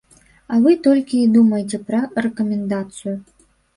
А вы толькі і думаеце пра рэкамендацыю.